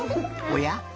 おや？